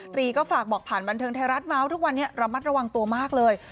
ตรีก็ฝากบอกผ่านบันเทิงไทยรัฐมาว่าทุกวันนี้ระมัดระวังตัวมากเลย